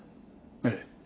ええ。